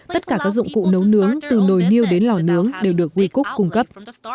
tất cả các dụng cụ nấu nướng từ nồi miêu đến lò nướng đều được wecook cung cấp